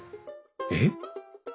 えっ？